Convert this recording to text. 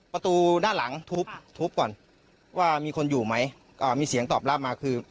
ประตูด้านหลังทุบทุบก่อนว่ามีคนอยู่ไหมอ่ามีเสียงตอบรับมาคือ